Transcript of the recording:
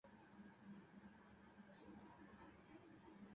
আমি বেশিক্ষণ বসব না নীলু।